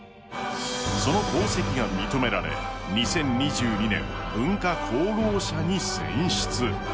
その功績が認められ、２０２２年、文化功労者に選出。